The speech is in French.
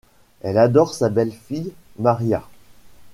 Elle adore sa belle-fille Maria.